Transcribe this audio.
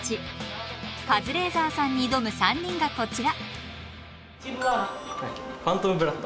カズレーザーさんに挑む３人がこちら。